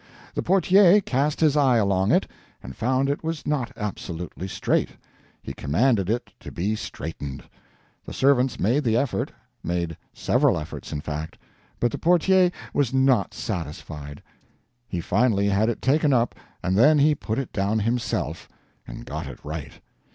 The PORTIER cast his eye along it, and found it was not absolutely straight; he commanded it to be straightened; the servants made the effort made several efforts, in fact but the PORTIER was not satisfied. He finally had it taken up, and then he put it down himself and got it right.